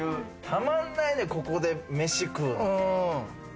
たまんないね、ここで飯食うの。